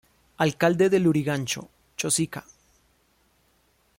Alcalde de Lurigancho-Chosica.